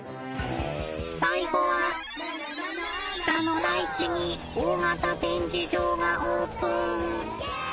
最後は北の大地に大型展示場がオープン。